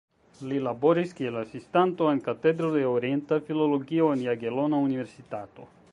Li laboris kiel asistanto en Katedro de Orienta Filologio en Jagelona Universitato.